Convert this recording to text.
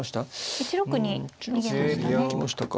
１六に逃げましたね。